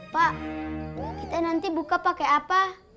pak kita nanti buka pakai apa